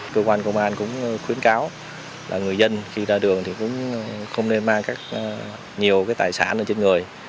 cơ quan công an cũng khuyến cáo là người dân khi ra đường thì cũng không nên mang nhiều tài sản lên trên người